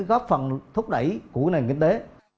góp phần thúc đẩy của nền kinh tế